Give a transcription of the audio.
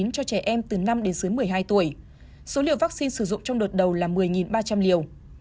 cho trẻ em từ năm đến dưới một mươi hai tuổi số liều vaccine sử dụng trong đợt đầu là một mươi ba trăm linh liều